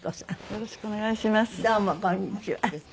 よろしくお願いします。